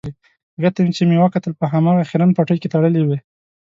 هغې ته چې مې وکتل په هماغه خیرن پټۍ کې تړلې وې.